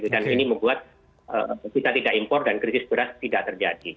dan ini membuat kita tidak impor dan krisis berat tidak terjadi